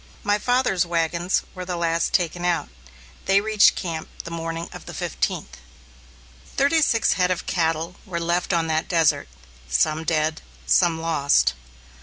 My father's wagons were the last taken out. They reached camp the morning of the fifteenth. Thirty six head of cattle were left on that desert, some dead, some lost.